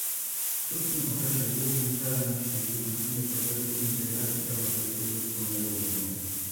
W krótkim okresie głównym celem musi być ukończenie procesu integracji europejskiego wspólnego rynku